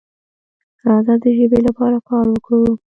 راځه د ژبې لپاره کار وکړو.